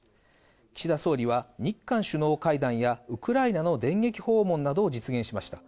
岸田総理は、日韓首脳会談やウクライナの電撃訪問などを実現しました。